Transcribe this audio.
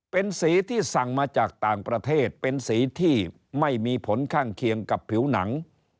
เป็นสีที่สั่งมาจากต่างประเทศเป็นสีที่ไม่มีผลข้างเคียงกับผิวหนัง